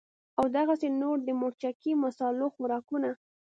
او دغسې نور د مرچکي مصالو خوراکونه